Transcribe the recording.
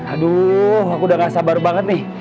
aduh aku udah gak sabar banget nih